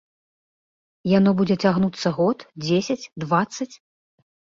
Яно будзе цягнуцца год, дзесяць, дваццаць?